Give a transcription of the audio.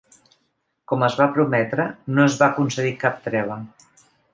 Com es va prometre, no es va concedir cap treva.